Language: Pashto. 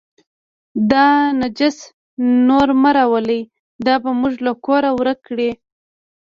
دا نجس نور مه راولئ، دا به موږ له کوره ورک کړي.